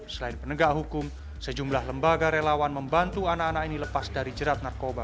selain penegak hukum sejumlah lembaga relawan membantu anak anak ini lepas dari jerat narkoba